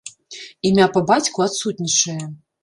Імя па бацьку адсутнічае.